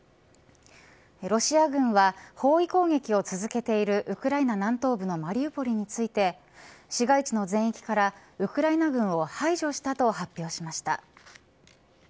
ロシア軍は包囲攻撃を続けているウクライナ南東部のマリウポリについて市街地の全域からウクライナ軍を排除したと発表しました。